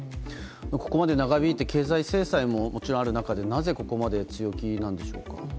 ここまで長引いて経済制裁ももちろんある中でなぜここまで強気なんでしょうか。